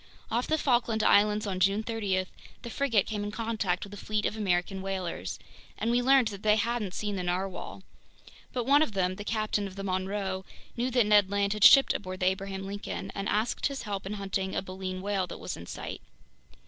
Off the Falkland Islands on June 30, the frigate came in contact with a fleet of American whalers, and we learned that they hadn't seen the narwhale. But one of them, the captain of the Monroe, knew that Ned Land had shipped aboard the Abraham Lincoln and asked his help in hunting a baleen whale that was in sight.